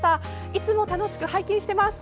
いつも楽しく拝見しています。